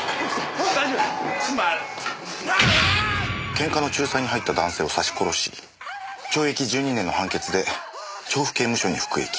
ケンカの仲裁に入った男性を刺し殺し懲役１２年の判決で調布刑務所に服役。